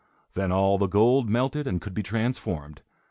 Then all the gold melted and could be transformed.